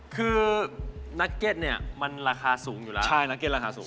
คือนักเก็ตเนี่ยมันราคาสูงอยู่แล้วใช่นักเก็ตราคาสูง